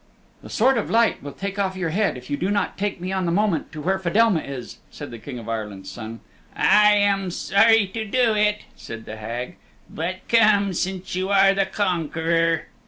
"The Sword of Light will take off your head if you do not take me on the moment to where Fedelma is," said the King of Ireland's Son. "I am sorry to do it," said the Hag, "but come, since you are the conqueror."